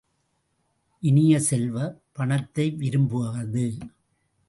இனிய செல்வ, பணத்தை விரும்புவது.